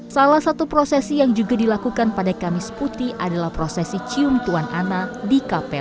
salah satu prosesi yang juga dilakukan pada kamis putih adalah prosesi cium tuan ana di kpk